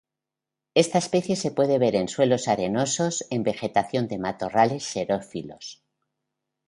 Esta especie se puede ver en suelos arenosos en vegetación de matorrales xerófilos.